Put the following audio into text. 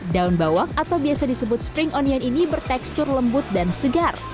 daun bawang atau biasa disebut spring onion ini bertekstur lembut dan segar